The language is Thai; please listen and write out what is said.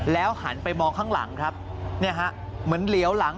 แล้วหันไปมองข้างหลังครับเหมือนเหลียวหลัง